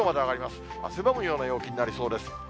汗ばむような陽気になりそうです。